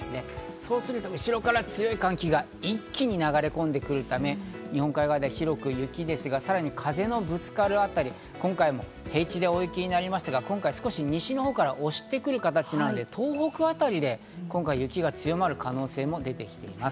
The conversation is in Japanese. そうすると、後ろから強い寒気が一気に流れ込んでくるため、日本海側では広く雪ですが、さらに風のぶつかるあたり、今回も平地で大雪になりましたが、少し西の方から押してくる形なので、東北あたりで今回、雪が強まる可能性も出てきています。